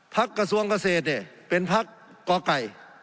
กระทรวงเกษตรเนี่ยเป็นพักก่อไก่